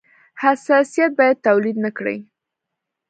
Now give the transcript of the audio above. حساسیت باید تولید نه کړي.